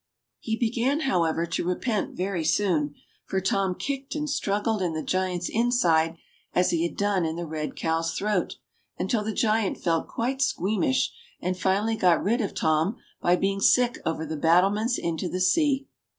He began, however, to repent very soon, for Tom kicked and struggled in the giant's inside as he had done in the red cow's throat until the giant felt quite squeamish, and finally got rid of Tom by being sick over the battlements into the sea.